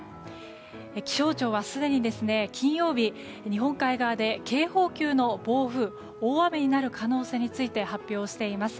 気象庁はすでに金曜日日本海側で警報級の暴風大雨になる可能性について発表しています。